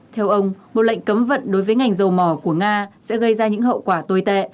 theo ông một lệnh cấm vận đối với ngành dầu mỏ của nga sẽ gây ra những hậu quả tồi tệ